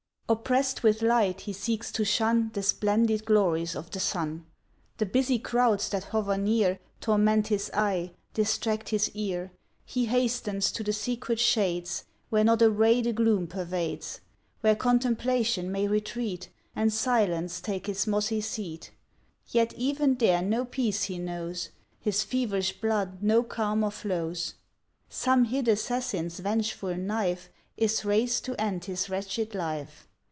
Oppress'd with light, he seeks to shun The splendid glories of the sun; The busy crowds that hover near, Torment his eye, distract his ear; He hastens to the secret shades, Where not a ray the gloom pervades; Where Contemplation may retreat, And Silence take his mossy seat; Yet even there no peace he knows, His fev'rish blood, no calmer flows; Some hid assassins 'vengeful knife, Is rais'd to end his wretched life.